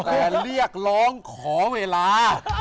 แต่เรียกร้องขอเวลา